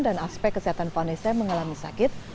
aspek kesehatan vanessa mengalami sakit